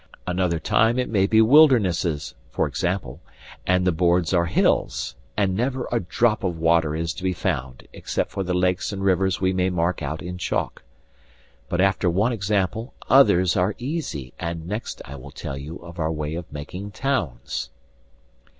Another time it may be wildernesses for example, and the boards are hills, and never a drop of water is to be found except for the lakes and rivers we may mark out in chalk. But after one example others are easy, and next I will tell you of our way of making towns.